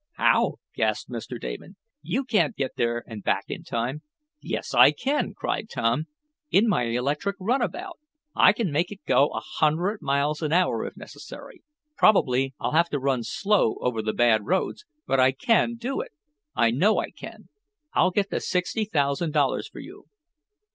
"How?" gasped Mr. Damon. "You can't get there and back in time?" "Yes, I can!" cried Tom. "In my electric runabout! I can make it go a hundred miles an hour, if necessary! Probably I'll have to run slow over the bad roads; but I can do it! I know I can. I'll get the sixty thousand dollars for you!"